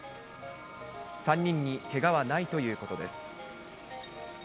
３人にけがはないということです。